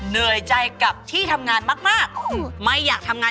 ไม่ได้ครับต้องบอกกันทุกวันว่า